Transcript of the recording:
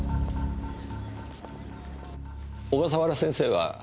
小笠原先生は？